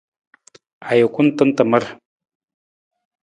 Ajukun tan tamar.